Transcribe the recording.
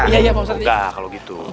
iya mau sakit